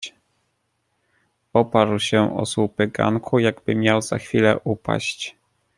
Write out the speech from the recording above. "Oparł się o słupy ganku, jakby miał za chwilę upaść."